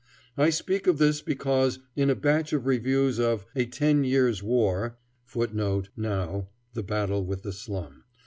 I speak of this because, in a batch of reviews of "A Ten Years' War" [Footnote: Now, "The Battle with the Slum."